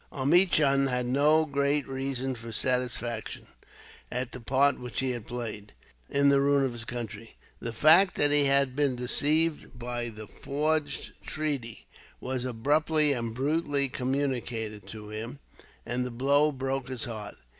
Omichund had no greater reason for satisfaction, at the part which he had played in the ruin of his country. The fact that he had been deceived, by the forged treaty, was abruptly and brutally communicated to him; and the blow broke his heart.